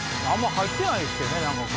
入ってないですけどね。